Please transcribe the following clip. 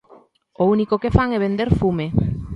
O único que fan é vender fume.